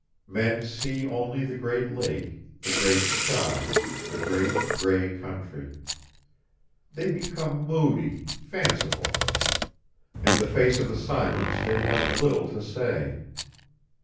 Men see only the great lake, the great sky, the great gray country. They become moody, fanciful. In the face of the silence they have little to say.